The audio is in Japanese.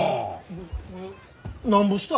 ななんぼした？